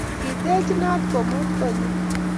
Kiteech inat komuut konyyi